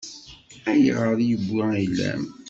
Ayɣer i yewwi ayla-m?